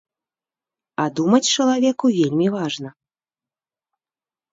А думаць чалавеку вельмі важна.